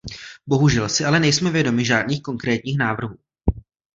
Bohužel si ale nejsme vědomi žádných konkrétních návrhů.